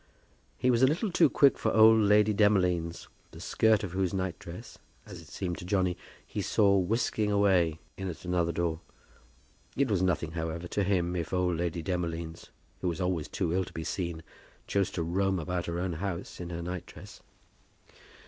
He was a little too quick for old Lady Demolines, the skirt of whose night dress, as it seemed to Johnny, he saw whisking away, in at another door. It was nothing, however, to him if old Lady Demolines, who was always too ill to be seen, chose to roam about her own house in her night dress.